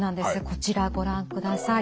こちらご覧ください。